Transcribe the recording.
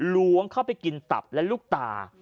ล้วงเข้าไปกินตับและลูกตา